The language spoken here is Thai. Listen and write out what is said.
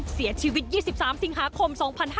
เสียชีวิต๒๓สิงหาคม๒๕๕๙